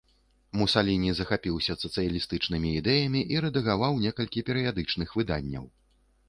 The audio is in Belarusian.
Мусаліні захапіўся сацыялістычнымі ідэямі і рэдагаваў некалькі перыядычных выданняў.